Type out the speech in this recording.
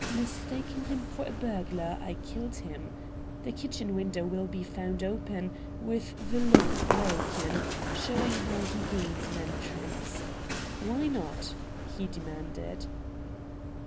Mistaking him for a burglar, I killed him. The kitchen window will be found open, with the lock broken, showing how he gained an entrance. Why not?" he demanded.